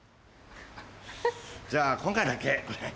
じゃあ今回だけ。